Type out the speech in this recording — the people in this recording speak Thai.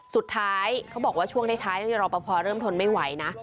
เขาบอกว่าช่วงท้ายรอปภเริ่มทนไม่ไหวนะ